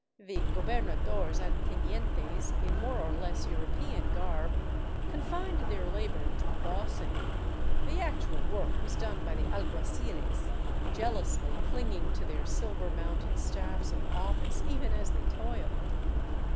The gobernadores and tenientes, in more or less " European " garb, confined their labor to bossing; the actual work was done by the alguaciles, jealously clinging to their silver mounted staffs of office, even as they toiled.